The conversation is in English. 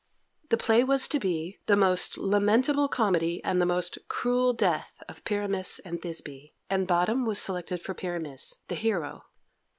The play was to be "The Most Lamentable Comedy and Most Cruel Death of Pyramus and Thisby," and Bottom was selected for Pyramus, the hero.